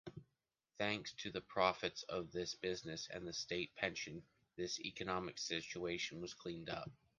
Thanks to the profits of this business and the state pension his economic situation was cleaned up.